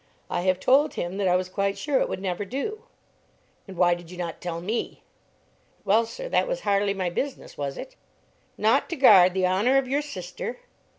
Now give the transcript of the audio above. I have told him that I was quite sure it would never do." "And why did you not tell me?" "Well, sir; that was hardly my business, was it?" "Not to guard the honour of your sister?"